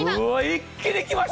一気に来ました！